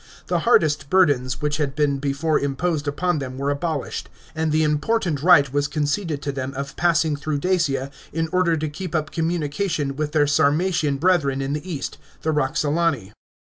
The hardest burdens which had been before imposed upon them were abolished; and the important right was conceded to them of passing thro 'gh Dacia, in order to keep up communication with their Sirmatian brethren in the east, the Roxolani.